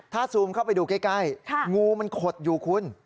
ถ้าซูมเข้าไปดูใกล้งูมันขดอยู่คุณ